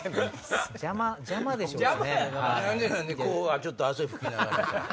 ちょっと汗拭きながら。